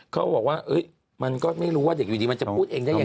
เขาบอกว่ามันก็ไม่รู้ว่าเด็กอยู่ดีมันจะพูดเองได้ยังไง